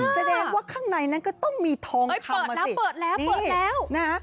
แสดงว่าข้างในนั้นก็ต้องมีทองเข้ามาสิเปิดแล้วนะฮะ